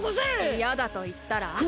いやだといったら？